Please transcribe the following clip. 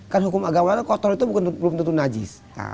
kan hukum agamanya kotor itu belum tentu najis